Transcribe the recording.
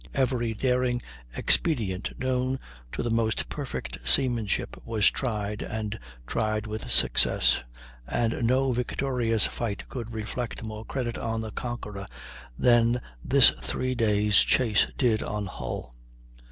Every daring expedient known to the most perfect seamanship was tried, and tried with success; and no victorious fight could reflect more credit on the conqueror than this three days' chase did on Hull.